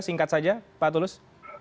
singkat saja pak tulus